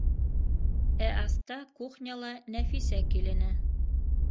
Ә аҫта - кухняла - Нәфисә килене.